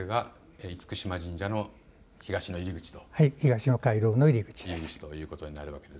厳島神社の東の入り口、東回廊の入り口です。